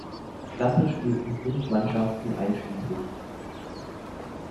Klasse spielten fünf Mannschaften einschl.